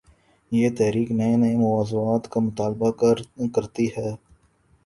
یہ 'تحریک‘ نئے نئے مو ضوعات کا مطالبہ کر تی ہے۔